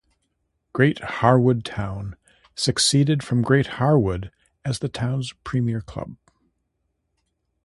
Great Harwood Town succeeded Great Harwood as the town's premier club.